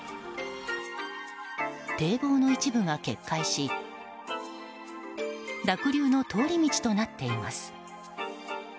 堤防の一部が決壊し濁流の通り道となっています。